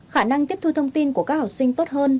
khả năng tiếp thu thông tin của các học sinh tốt hơn